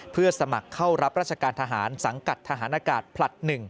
เพื่อสมัครเข้ารับราชการทหารสังกัดทหารอากาศผลัด๑